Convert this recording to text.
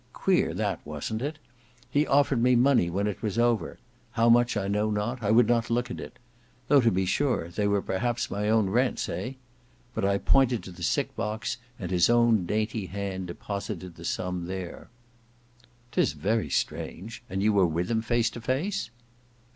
Queer that, wasn't it? He offered me money when it was over. How much I know not, I would not look at it. Though to be sure, they were perhaps my own rents, eh? But I pointed to the sick box and his own dainty hand deposited the sum there." "'Tis very strange. And you were with him face to face?"